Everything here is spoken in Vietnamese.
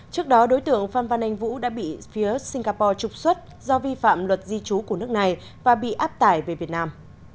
trước đó đối tượng phan văn anh vũ đã bị phía singapore trục xuất do vi phạm luật di trú của nước này và bị áp tải về việt nam